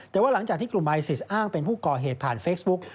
แต่ว่าหลังจากที่กลุ่มไอซิสอ้างเป็นผู้ก่อเหตุผ่านเฟซบุ๊ก